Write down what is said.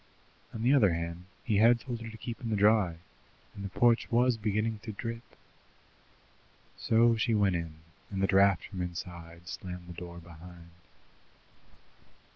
On the other hand, he had told her to keep in the dry, and the porch was beginning to drip. So she went in, and the drought from inside slammed the door behind.